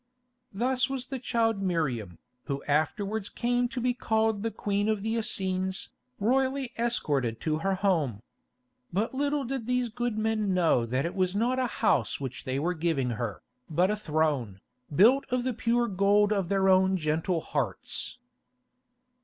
Thus was the child Miriam, who afterwards came to be called the Queen of the Essenes, royally escorted to her home. But little did these good men know that it was not a house which they were giving her, but a throne, built of the pure gold of their own gentle hearts.